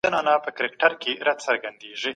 فردي ملکيت په شريعت کي خوندي دی.